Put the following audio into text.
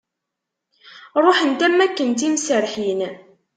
Ruḥent am waken d timserrḥin.